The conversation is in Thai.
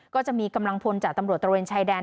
ก็จะมีกำลังพลจากตำรวจตระเวนชายแดน